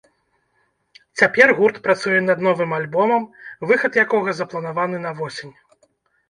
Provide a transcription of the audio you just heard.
Цяпер гурт працуе над новым альбомам, выхад якога запланаваны на восень.